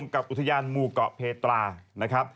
กับอุทยานหมู่เกาะเพตรา